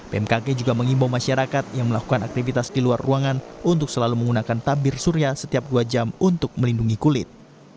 bmkg juga mengimbau masyarakat yang melakukan aktivitas di luar ruangan untuk selalu menggunakan tabir surya setiap dua jam untuk melindungi kulit